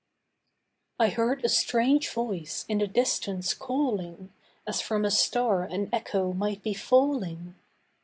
I heard a strange voice in the distance calling As from a star an echo might be falling.